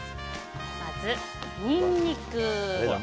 まずニンニク。